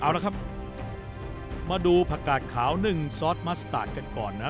เอาละครับมาดูผักกาดขาว๑ซอสมัสตาร์ทกันก่อนนะ